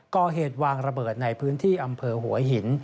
ก่อเหตุวางระเบิดในพื้นที่อำเภอหัวหิน